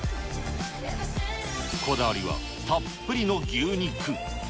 こだわりはたっぷりの牛肉。